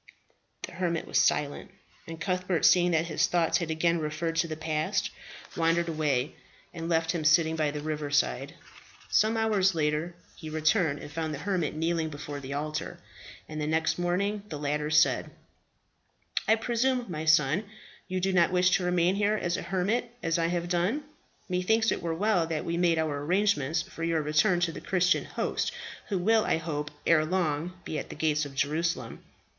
The hermit was silent, and Cuthbert, seeing that his thoughts had again referred to the past, wandered away, and left him sitting by the river side. Some hours later he returned, and found the hermit kneeling before the altar; and the next morning the latter said, "I presume, my son, you do not wish to remain here as a hermit, as I have done? Methinks it were well that we made our arrangements for your return to the Christian host, who will, I hope, ere long be at the gates of Jerusalem."